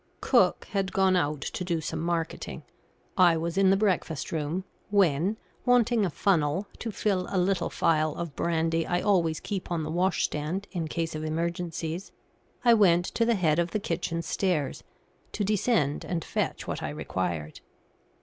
Cook had gone out to do some marketing. I was in the breakfast room, when, wanting a funnel to fill a little phial of brandy I always keep on the washstand in case of emergencies, I went to the head of the kitchen stairs, to descend and fetch what I required.